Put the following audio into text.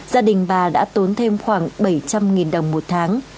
gia đình bà đã tốn thêm khoảng bảy trăm linh đồng một tháng